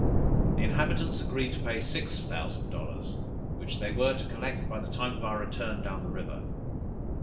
The inhabitants agreed to pay six thousand dollars, which they were to collect by the time of our return down the river.